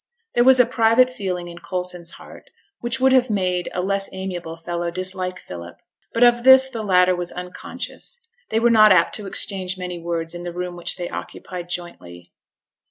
There was a private feeling in Coulson's heart which would have made a less amiable fellow dislike Philip. But of this the latter was unconscious: they were not apt to exchange many words in the room which they occupied jointly.